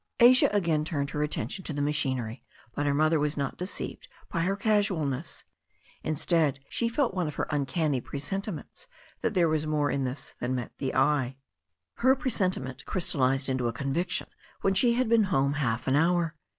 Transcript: Asia again turned her attention to the machinery, but her mother was not deceived by her casualness. Instead, she felt one of her uncanny presentiments that there was more in this than met the eye. i288 THE STORY OF A NEW ZEALAND RIVER Her presentiment crystallized into a conviction when she had been home half an hour.